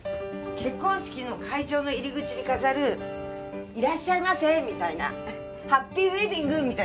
結婚式の会場の入り口に飾る「いらっしゃいませ」みたいな「ハッピーウェディング」みたいなやつ。